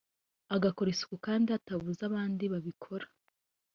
agakora isuku kandi hatabuze abandi babikora